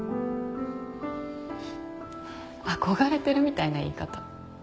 憧れてるみたいな言い方。